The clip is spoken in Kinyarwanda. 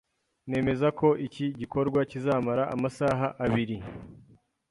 nemeza ko iki gikorwa kizamara amasaha abiri